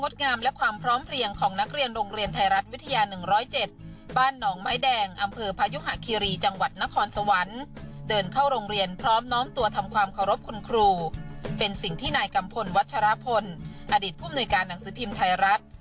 สิ่งที่หน่ายกัมพลวัชฌาพลอดีตผู้อำนวยการหนังสือภิมพ์ไทยรัฐ